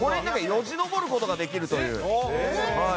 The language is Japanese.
よじ登ることができるという。